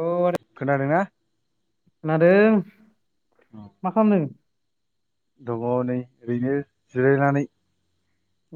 औ [inaudible] खोनादोंना खोनादों मा खामदों? दङ' नै ओरैनो जिरायनानै।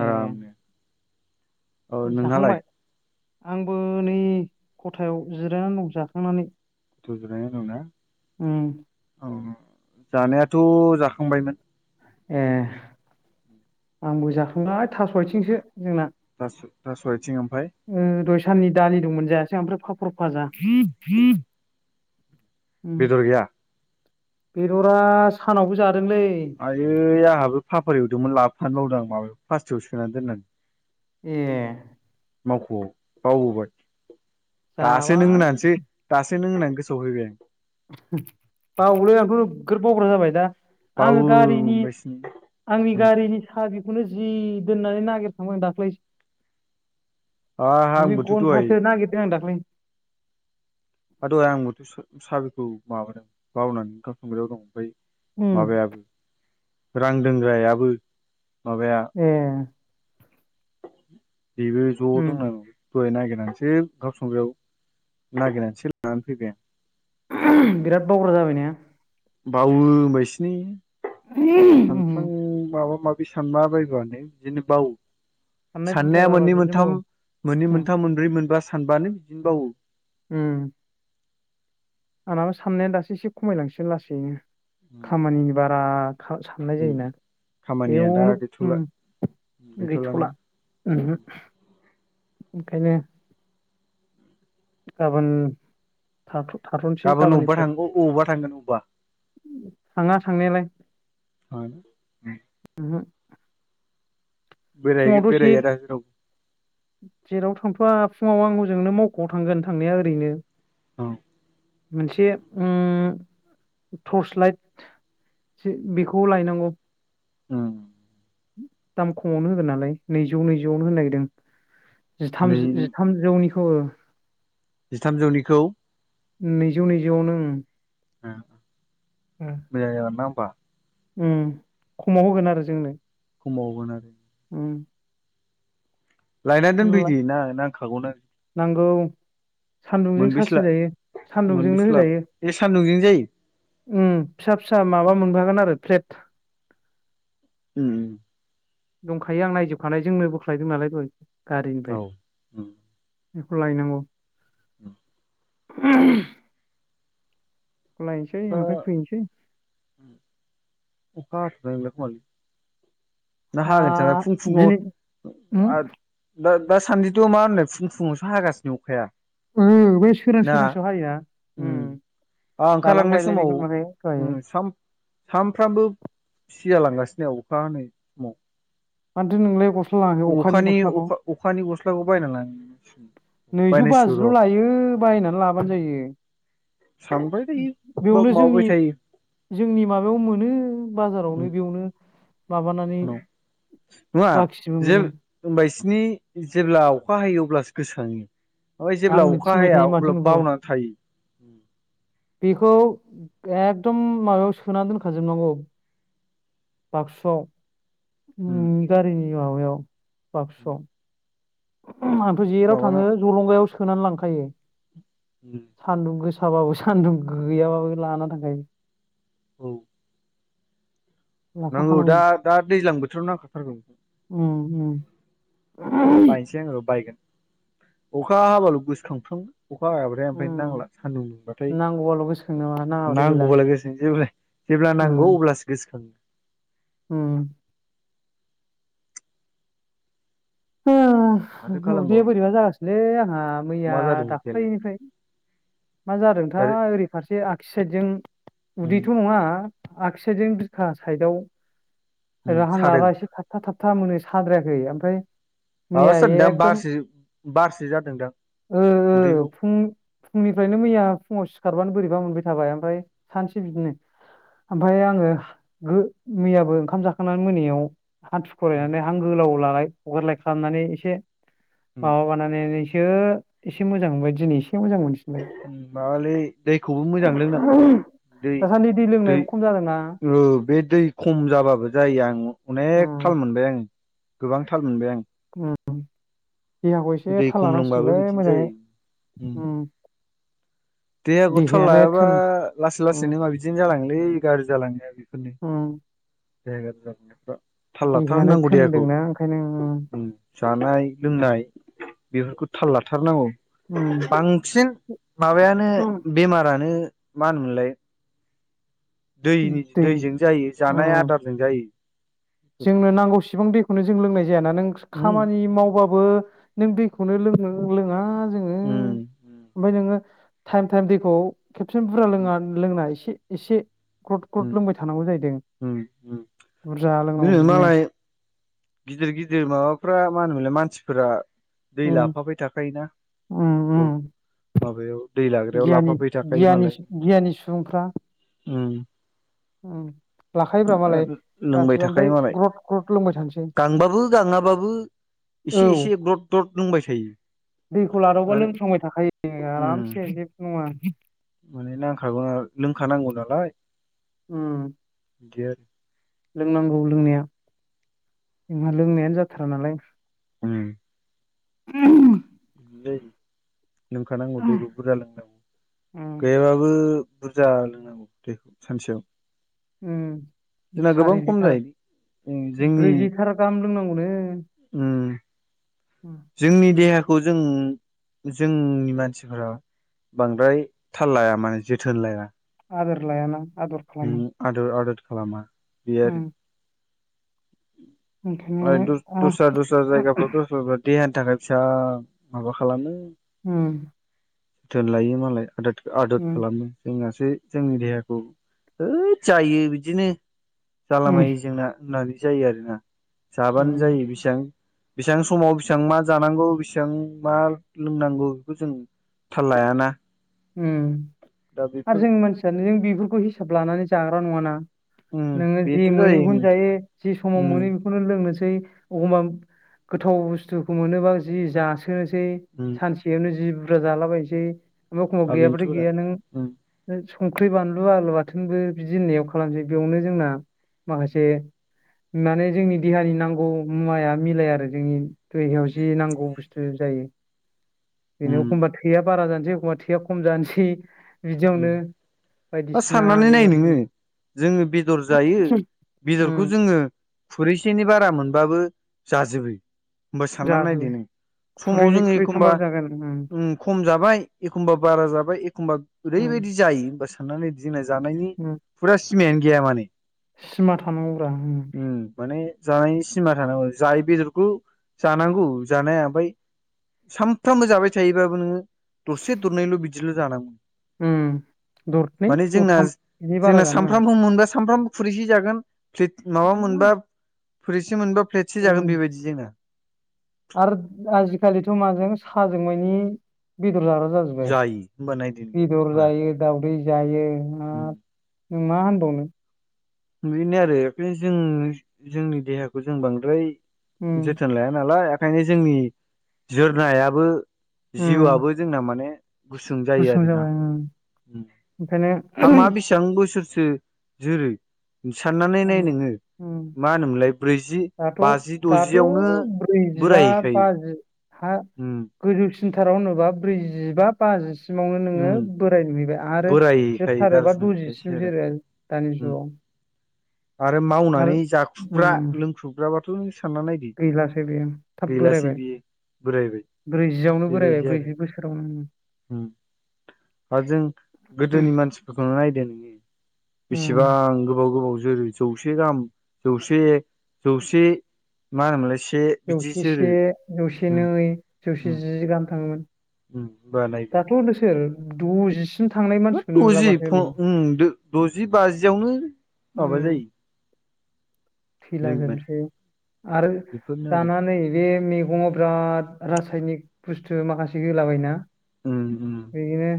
ए आरामनो औ नोंहालाय? जाखांबाय आंबो नै खथायाव जिरायनानै दं जाखांनानै। [unintelligible] जिराना दंना उम औ जानायाथ' जाखांबायमोन ए आंबो जाखांबाय थास' आइथिंसो जोंना। थासु-थास' आइथिं ओम ओ दहाय साननि दालि दंमोन जायासै ओमफ्राय पापर भाजा। उम बेदर गैया? बेदरा सानावबो जा आयै आहाबो पापर एवदोंमोन लाबफानो बावदों आं माबायाव प्लास्टिकआव सोनानै दोननानै। ए मावख'आव बावबोबाय दासो नों जाबाय होननानसो दा सो नों होननानै गोसोआव फैबाय आं। बावलै आंथ' नोगगोर बावग्रा जाबाय दा आङो गारिनि बावोबायसो आंनि गारिनि साबि खौनो जि दोननानै नागिरखांबाय आं दाख्लै। आंहा दुइ आंबोथ' कन्टासो नागिरदों आं दाख्लै। हादहाय आंबोथ' सु साबिखौ माबादों बावनानै ओंखाम संग्रियाव दं ओमफाय उम माबायाबो रां दोंनग्रायाबो। ए बेबो ज' उम दं [unintelligible] दहाय नागिरनानैसो ओंखाम संग्रायाव नागिरनानैसो लानानै फैबाय आं। [unintelligible] बिराद बाव्रा जाबाय ने। बावो होमबायसिनो सानफ्रां माबा मा बि सानला बायबानो इदिनो बावो। साननाय बुरजा साननाया जाबा मोननै बिदिनो मोनथाम मावो मोननै मोनथाम मोनब्रै मोनबा सानबानो बिदिनोबावो उम आंनाबा साननाया दासो एसे खमायलांसिगोन लासैनो उम खामानिनि बारा सा-साननाय जायोना खामानिया दा एयावनो गैथ'ला उम गैथ'लाना गैथ'ला उम हो ओंखायनो गाबोन थाथ' थाथ'नोसै गाबोन अबेबा थां गाबोननिफ्राय अबेबा थांगोन अबेबा थाङा थांनायालाय। उमहो [unintelligible] फुङाव बेरायहैगोन बेरायैया दसेब दा जेरावबो जेराव थांथ'वाब फुङाव आं हजोंनो मावख'आव थांगोन थांनाया ओरैनो मोनसे उम टर्स लाइट बेखौ लायनांगौ। उम दाम खमावनो होगोन नालाय नैजौ नैजौआवनो होनो नागिरदों। नै जिथाम जि-जिथामजौनिखौ ओ। जिथामजौनिखौ? नैजौ नैजौआवनो ओम। उम मोजां जागोन ना होनबा? उम खमाव होगोन आरो जोंनो। खमाव होगोन आरो? उम लायना दोनफैदोना नांखागौना। औ सान्दुंजों सार्स मोनबेसे होजायो सान्दुंजोंनो होजायो। दैै उम फिसा फिसा माबा मोनफागोन आरो फ्लेट। उम दंखायो आं नायजोब खानाय जोंनो बोख्लायदों नालाय दहाय। औ गारिनिफ्राय उम बेखौ लायनांगौ। उम [unintelligible] लायनोसै अखा ओमफाय फैनोसै। अखा हाथ'नाय नोंलाखोमालै। ना हा हागोनसो नामा फुं फुङाव दिनै ओम आद दाद दा सान्दिथ' मा होननो फुं फुङावसो हागासिनो अखाया। उम बे सोरां सोरांसियाव हायोना उम। बा दालां ओंखारलांनाय समाव बायलायनायखौनो माने दहायो उम साम-सामफ्रामबो सिजालांगासिनो अखा हानाय समाव। मानथो नोंलाय गस अखानि अखा अखानि गस्लाखौ बायना लान नैजौ बाजिल' लायो बायनानै लाबानो जायो। [unintelligible] बेयावनो माब-माबाबाय जोंनि थायो। जोंनि माबायाव मोनो बाजारावनो बेयावनो। माबानानै दखानाव नङा बाखिबो जे मोनो होनबायस नि जेब्ला अखा हायो अब्लासो गोसो खाङो। ओय जेब्ला आंनो अखा थिनबाय हाया थायो माथो अब्ला नोंखौ बावना थायो। बेखौ एकदम माबायाव सोना दोनखाजोबनांगौ। बाक्सुआव उम गारिनि माबायाव बाक्सुआव। आंथ' जेेराव माबाना थाङो जलंगायाव सोनानै लांखायो सान्दुं गोस साबाबो सान्दुं गैयाबाबो लाना थांखायो। औ नांगौ लाफाखानांगौ दा दा दैज्लां बोथोराव नांखाथारगौ। उम उम बायनोसै आङो बायगोन अखा हाबाल' गोसोखांफ्लांओ। अखा हायाबाथाय ओमफ्राय उम नांला सान्दुं दुंबाथाय। नांगौबाल' गोसोखाङो नाङाबाथाय गैला नांगौबालाय गोसो जे जेब्ला नांगौ उम अब्लासो गोसोखाङो। उम अ माथो उदैआ खालामबावनो बोरैबा जागासिनोलै आंहा मा मैया जादों उदैयालाय दाख्लैनिफ्राय। मा आरो जादोंथाया ओरै फारसे आक्सिसाइदजों उम उदैथ नङा आगसि साइदजों बिखा साइदआव उम ओरै हां सादों लाबा एसे थाबथा थाब था मोनो साद्रायाखै ओमफ्राय मैया माबासो जादोंदां एकदम बारसो बारसो जादोंदां ओ ओ उदैखौ फुं फुंनि ओमफ्रायनो मैया फुङाव सिखारबानो बोरैबा मोनबाय थाबाय ओमफ्राय सानसे बिदिनो। ओमफ्राय आङो मैयाबो ओंखाम जाखांनानै मोनायाव हान्थु खरायनानै हां गोलाव लालाय हगारलाय खालामनानै एसे उम माबाबानानै ऐसे से मोजां मोनबाय दिनै एसे मोजां मोनफिनबाय माबालै दैखौबो मोजां लोंनांगौलै दै दासान्दि दै लोंनायबो खम जादोंना औ बे दै खम जाबाबो जायो आं अनेख थाल उम मोनबाय आङो गोबां थाल मोनबाय आं। उम देहाखौ एसे दै थाल खम लोंबाबो लानांसिगोनलै बिदिनो मोजाङै। जायो देहाखौथाल देहायानो लायाबा थोन लासै उम लासैनो मा बिदिनो जाालांलै गाज्रि जालांनाया नि उम जग जनायफ्रा [unintelligible] थाल लाथार देहायानो नांगौ देहाखौ थोनदोंना ओंखायनो उम जानाय लोंनाय। बेफोरखौ थाल लाथारनांगौ उम बांसिन माबायानो उम बेमारा नो मा होनोमोनलाय? दैनि दै दैजों जायो जानाय उम आदारजों जायो। जोंनो नांगौसिबां दैखौनो जों लोंनाय जायाना नों उम खामानि मावबाबो नों दैखौनो लोङो लोङा जोङो उम उम ओमफ्राय नोङो टाइम टाइम दैखौ खेबसे बुरजा लोङा लोंनाङा एसे एसे क्रद उम क्रद लोंबाय थानांगौ जाहैदों बुरजा न लोंनांगौ बिदिनो मालाय गिदिर गिदिर माबाफ्रा मा होनोमोनलाय मानसिफोरा दै उम लाफाबाय थाखाना उम ब उम माबायाव दै लाग्रायाव गियानि लाफाफाय थाखायो गियानि मालाय। गियानि सुबुंफ्रा उम लाखायोब्रा मालाय गाससि थाखाय मालाय गांबाबो गाङाबाबो औ एसे एसे ग्रद ग्रद लोंबाय थायो। दैखौ लादावबा माने लोंफ्लांबाय थाखायो उम आरामसे जेबो नङा। माने नांखागौना लोंखानांगौ नालाय। उम गेर लोंनांगौ लोंनाया जोंहा लोंनायानो जाथारा नालाय। उम उम दै लोंखानांगौ दैखौ बुरजा लोंनांगौ गैयाबाबो बुरजा लोंनांगौ दैखौ सानसेयाव। उम जोंना गोबां सारि खम लिटार जायो ब्रै जोंनि लिटार गाहाम लोंनांगौनो? उम उम जोंनि देहाखौ जों जोंनि मानसिफोरा बांद्राय थाल लाया माने जोथोन लाया। आदोरलायाना। आदर आदर खालामा बे उम आरो। ओंखायनो आ दस्रा दस्रा जायगाफोर दस्रा देहानि थाखा फैसा माबा खालामो उम जोथोन लायो मालाय आद आदद उम खालामो जोंहासो बे जोंनि देहाखौ होद जायो बिदिनो उम जालाबायो जोंना बिदिनो जायो आरोना जाबानो उम जायो बिसिबां बेसेबां समाव बेसेबां मा जानांगौ बेसेबां मा लोंनांगौ बेखौ जों थाल लायाना। दा बेफोर ओमआरो जोंनि मानसियानो जों बेफोरखौ हिसाब लानानै जाग्रा नङाना। उम नोङो जि बेनोथ' मोनो बेखौनो जायो। जि समाव उम मोनो बेखौनो लोंनोसै एखमबा गोथाव बुस्थुखौ मोनोबा जि जासै सोनोसै उम सानसेयावनो उम जि बुरजा जालाबायनोसै। एबा एखमबा आ गैयाब्लााथथाय बेनोथ'ब्रा गैया नों उम नों संख्रि बानलु आगलु बाथोनबो बिदि होननायाव खालामनोसै बेयावनो जोंना माखासे माने जोंनि देहानि नांगौ मुवाया मिलाया आरो जोंनि देहायाव जि नांगौ बुस्थु जायो। उम बिनो एखमबा थैया बारा जानोसै एखमबा थैया खम जानोसै उम बिदियावनो मा बायदिसिना साननानै नाय बेमार नोङो जोङो बेदर जायो उम बेदरखौ जोङो खुरैसेनि बारा मोनबाबो जाजोबो। होमबा साननानै जाजोबो नायदो नों समाव खुरैनै जोङो एखमबा खुरैथामबाबो जागोन उम ओम खम जाबाय एखमबा बारा जाबाय एखमबा उम ओरैबायदि जायो होनबा सानना नायदो जोंना जानायनि उम फुरा सिमायानो गैया माने। सिमा थानांगौब्रा ओम उम माने जानायनि सिमा थानांगौ जाय बेदरखौ जानांगौ जानाया ओमफ्राय सानफ्रामबो जाबाय थायोबाबो नोङो दरसे दरनैल' बिदिल' जानांगौ उम दरनै माने जोंना दरथाम बिनि बारा जोंना जानो सानफ्रामबो मोनबा सानफ्रामबो खुरैसे जागोन प्लेट माबा नाङा मोनबा खुरैसे मोनबा फ्लेटसे उम जागोन बेबायदि जोंना। आरो आजिखालिथ' माजों साजों मानि बेदर जाग्रा जाजोबबाय जायो होमबा नायदो बेदर जायो दाउदै जायो। उम हाब नों मा होनबावनो बेनो आरो एदलिस जों जोंनि देहाखौ जों बांद्राय उम जोथोन लाया नालाय ओखायनो जोंनि जोरनायाबो उम जिउआबो जोंना माने गुसुं जायो आरोना। जाबाय उम ओंखायनो हा मा बेसेबां बोसोरसो जेरो। साननानै नाय नोङो उम मा होनोमोनलाय ब्रैजि दाथ' बाजि दाथ' द'जियावनो ब्रैजिबा बोरायहैखायो। बाजि हा उम गोजौसिनथाराव होनोबा ब्रैजिबा बाजिसिमावनो उम नोङो बोराय नुहैबाय। आरो बोरायहैखायो जोबथारोबा गाज्रि नुहैखायोसो दजिसिम आरो जिरो दानि उम जुगाव। आरो आरो मावनानै जाखुबग्रा लोंखुबग्राबाथ' गैलासै बेयो थाब बोरायबाय। बियो बोरायबाय ब्रैजिआवनो बोरायबाय ब्रैजि बोसोरावनो ओम। ओम आरो जों गोदोनि मानसिफोरखौनो नायदो नोङो उम बेसेबां गोबाव गोबाव गोबाव जोरो जौसे गाहाम जौसे जौसे माहोनोमोनलाय जौसे से जौसे नै उम जौसे जि गाहाम थाङोमोन। उम होमबा दाथ' होननो सोर द'जि मा द'जि फ-ओम- द'जि बाजियावनो माबा उम जायो थैला जोंनि मानसि जोबनोसै आरो बेफोरनो आरो जानानै बे मे गंङाव बिराद रासायनिक बुस्थु माखासे होलाबायोना उम उम बिदिनो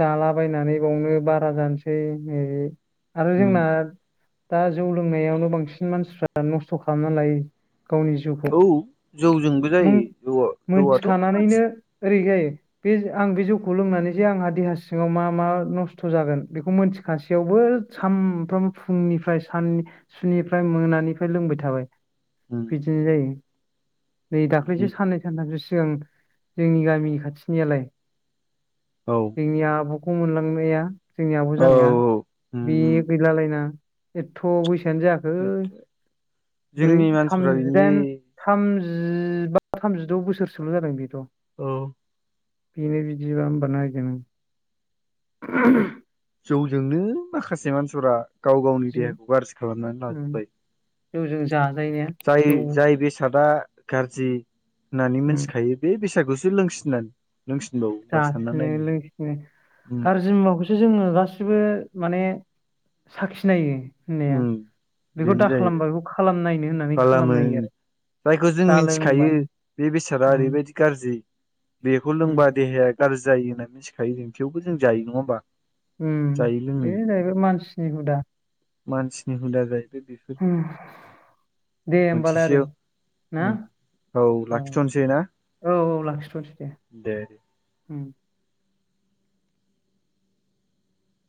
जालाबायनानै बावनो बारा जानोसै नैबे आरो उम जोंना दा जौ लोंनायावनो बांसिन मानसिफ्रा नस्थ' खालामना लायो। गावनि जिउखौ औ जौजोंबो मुं जायो जौआ जौआथ' माथि मोनथिखानानैनो ओरै जायो बे आं बे जौखौ लोंनानै जे आंहा देहा सिङाव मा मा नस्थ' जागोन बेखौ मोनथिखासेयाव बो सानफ्रामबो फुंनिफ्राय सान सुनिफ्राय मोनानिफ्राय लोंबाय थाबाय उम बिदिनो जायो नै दाख्लैसो बिदि साननै सानथामसो सिगां जोंनि गामिनि खाथिनियालाय औ जोंनि आब'खौ मोनलांनाया जोंनि आब' औ जानाया उम बे उम गैलालायना एथथ' बैसो सोआनो जायाखै ब्रै जोंनि मानसिफ्रा बिदि थामजिदाइन थामजि जिबा थामजिद' बोसोरसोल' जादों बेथ' औ बिनो बिदिबा होमबा नायदो नों जौ जोंनो माखासे मानसिफोरा गाव गावनि जि देहाखौ गाज्रि खालामनानै उम लाजोब्बाय जौजों जाजायनाया जाय जौ जाय बेसादा गाज्रि होननानै उम मोनथिखायो बे बेसादखौसो लोंसिननानै लोंसिनबावो होनबा सानना जासिनो नायदो लोंसिनो उम गारजि मुवाखौसो जोंङो गासिबो माने साखिनायो होननाया उम बेखौ बेनो दा जाहैबाय खालामहोमबा बेखौ खालाम नायनो होननानै खालामो खालामनायो आरो जायखौ जों दा मिनथिखायो लोंबानो बे बेसादा उम ओरैबायदि गाज्रि बेखौ उम लोंबा देहाया गाज्रि जायो होननानै मिथिखायो जों थेवबो जों जायो नंङा होमबा? उम जायो लोङो बे जाहैबाय मानसिनि हुदा मानसिनि हुदा जायो उमह दे होमबालाय आदै मोनसेसो ना? औ आ लाखिथ'नोसै ना औ औ लाखिथ'नोसै दे उम